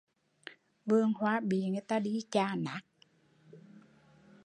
Vườn hoa bị người ta đi chà nát